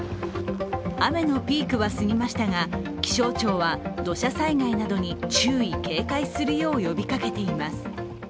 雨のピークは過ぎましたが気象庁は土砂災害などに注意・警戒するよう呼びかけています。